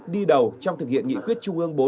đi đầu trong thực hiện nghị quyết trung ương bốn